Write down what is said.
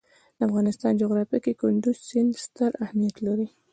د افغانستان جغرافیه کې کندز سیند ستر اهمیت لري.